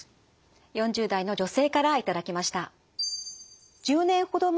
４０代の女性から頂きました。